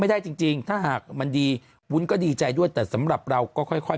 ได้จริงถ้าหากมันดีวุ้นก็ดีใจด้วยแต่สำหรับเราก็ค่อย